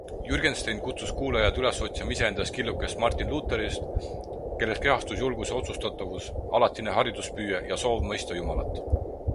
Jürgenstein kutsus kuulajaid üles otsima iseendas killukest Martin Lutherist, kelles kehastus julgus ja otsustavus, alatine hariduspüüe ja soov mõista Jumalat.